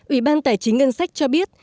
ủy ban tài chính ngân sách cho biết